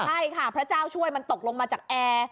ใช่ค่ะพระเจ้าช่วยมันตกลงมาจากแอร์